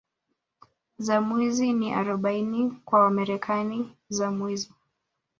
za Mwizi ni Arobaini kwa Wamarekani za mwizi